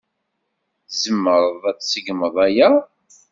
Tzemreḍ ad tseggmeḍ aya?